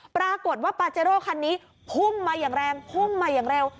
ปรากฏว่าปาเจโร่คันนี้พุ่งมาอย่างแรงพุ่งมาอย่างเร็ว